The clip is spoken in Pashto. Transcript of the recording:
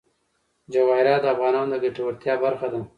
جواهرات د افغانانو د ګټورتیا برخه ده.